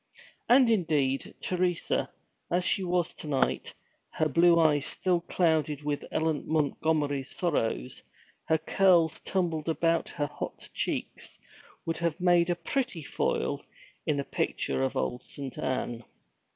And indeed, Teresa, as she was to night, her blue eyes still clouded with Ellen Montgomery's sorrows, her curls tumbled about her hot cheeks, would have made a pretty foil in a picture of old Saint Anne.